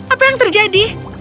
apa yang terjadi